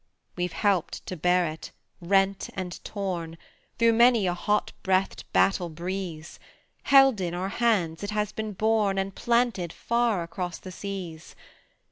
We've helped to bear it, rent and torn, Through many a hot breath'd battle breeze; Held in our hands, it has been borne And planted far across the seas.